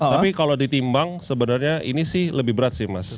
tapi kalau ditimbang sebenarnya ini sih lebih berat sih mas